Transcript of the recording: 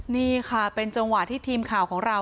นี่ค่ะเป็นจังหวะที่ทีมข่าวของเรา